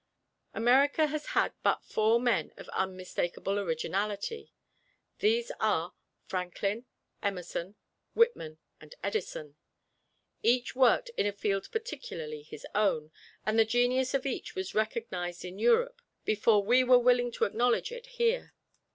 America has had but four men of unmistakable originality. These are: Franklin, Emerson, Whitman and Edison. Each worked in a field particularly his own, and the genius of each was recognized in Europe before we were willing to acknowledge it here.